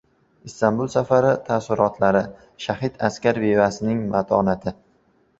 Istanbul safari taassurotlari: “Shahid askar bevasining matonati...”